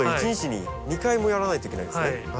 １日に２回もやらないといけないんですね。